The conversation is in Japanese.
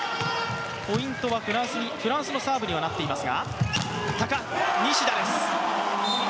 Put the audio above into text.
ポイントはフランスに、フランスのサーブになっています。